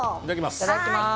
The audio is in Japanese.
いただきます。